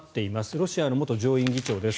ロシアの元上院議長です。